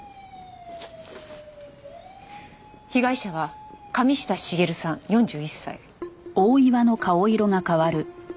被害者は神下茂さん４１歳。